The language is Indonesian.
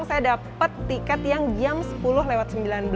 saya dapat tiket yang jam sepuluh lewat sembilan belas